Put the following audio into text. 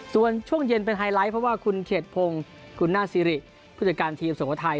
ส่วนช่วงเย็นเป็นไฮไลท์เพราะว่าคุณเขตพงศ์คุณหน้าซิริผู้จัดการทีมสุโขทัย